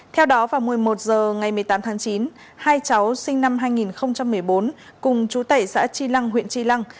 theo đó vào một mươi một h ngày một mươi tám tháng chín hai cháu sinh năm hai nghìn một mươi bốn cùng chú tẩy xã tri lăng huyện tri lăng